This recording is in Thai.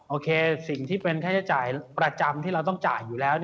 โอเคสิ่งที่เป็นค่าใช้จ่ายประจำที่เราต้องจ่ายอยู่แล้ว